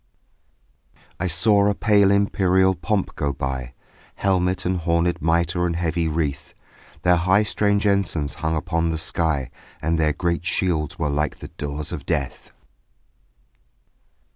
I saw a pale imperial pomp go by, Helmet and hornèd mitre and heavy wreath; Their high strange ensigns hung upon the sky And their great shields were like the doors of death.